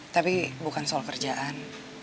tapi bukan soal kerjaan